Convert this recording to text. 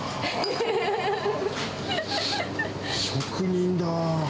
職人だー。